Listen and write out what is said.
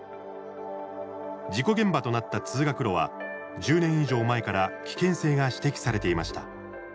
事故現場となった通学路は１０年以上前から危険性が指摘されていました。